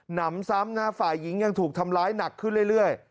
นำซ้ำนะฝ่ายหญิงยังถูกทำร้ายหนักขึ้นเรื่อย